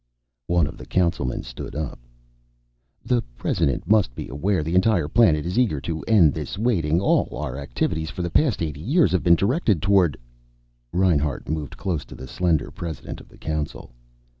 One of the Councilmen stood up. "The President must be aware the entire planet is eager to end this waiting. All our activities for the past eighty years have been directed toward " Reinhart moved close to the slender President of the Council.